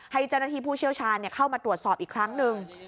ให้เจ้าหน้าที่ผู้เชี่ยวชาญเข้ามาตรวจสอบอีกครั้งหนึ่ง